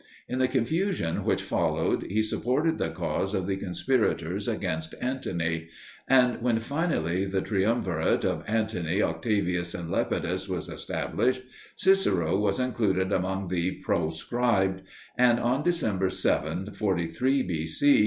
In the confusion which followed he supported the cause of the conspirators against Antony; and when finally the triumvirate of Antony, Octavius, and Lepidus was established, Cicero was included among the proscribed, and on December 7, 43 B.C.